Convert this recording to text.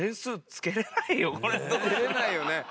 つけれないよね。